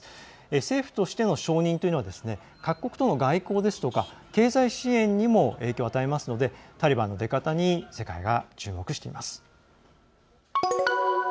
政府としての承認というのは各国との外交ですとか経済支援にも影響を与えますのでタリバンの出方に世界が注目しています。